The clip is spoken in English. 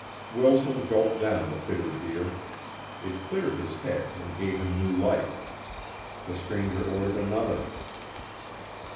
Wilson gulped down the bitter beer. It cleared his head and gave him new life. The stranger ordered another.